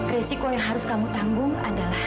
resiko yang harus tanggungmu adalah